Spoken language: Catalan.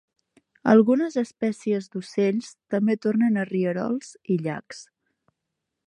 Algunes espècies d'ocells també tornen a rierols i llacs.